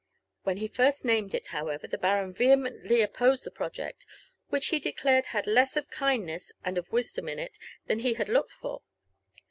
When he first named it, however, the baron vehemently opposed the project, which he declared had less of kindness and of wisdom in it than he had looked for.